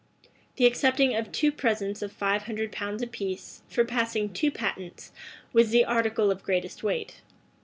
The accepting of two presents of five hundred pounds apiece, for passing two patents, was the article of greatest weight.